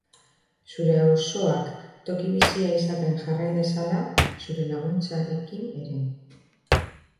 Zure auzoak toki bizia izaten jarrai dezala zure laguntzarekin ere.